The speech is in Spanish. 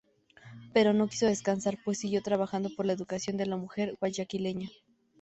Pero no quiso descansar, pues siguió trabajando por la educación de la mujer guayaquileña.